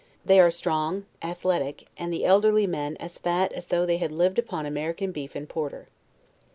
They are strong athletic, and the elderly men as fat as though they had lived upon American beef and porter.